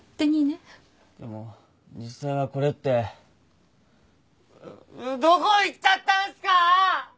でも実際はこれってどこ行っちゃったんすか！？